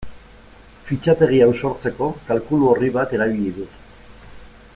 Fitxategi hau sortzeko kalkulu-orri bat erabili dut.